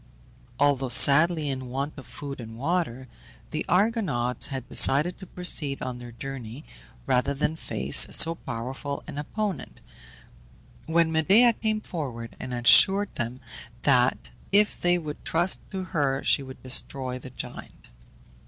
Although sadly in want of food and water, the Argonauts had decided to proceed on their journey rather than face so powerful an opponent, when Medea came forward and assured them that if they would trust to her she would destroy the giant.